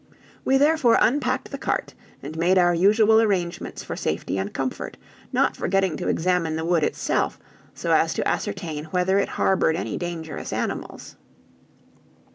We therefore unpacked the cart, and made our usual arrangements for safety and comfort, not forgetting to examine the wood itself, so as to ascertain whether it harbored any dangerous animals.